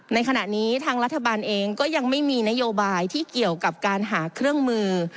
ในขณะนี้ทางรัฐบาลเองก็ยังไม่มีนโยบายที่เกี่ยวกับการหาเครื่องมือ